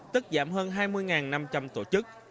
tức giảm hơn hai mươi năm trăm linh tổ chức